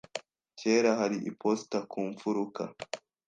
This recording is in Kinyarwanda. Kera hari iposita ku mfuruka.